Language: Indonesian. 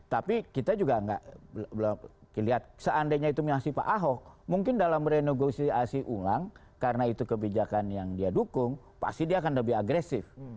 tapi kita juga nggak lihat seandainya itu masih pak ahok mungkin dalam renegosiasi ulang karena itu kebijakan yang dia dukung pasti dia akan lebih agresif